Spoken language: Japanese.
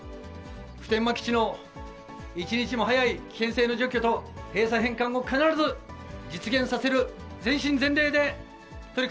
普天間基地の一日も早い危険性の除去と、閉鎖返還を必ず実現させる。